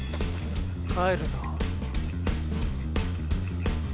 帰るぞ。